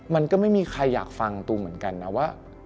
มันก็ไม่มีใครอยากฟังตูมเหมือนกันนะว่า